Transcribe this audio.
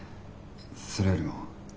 それよりも。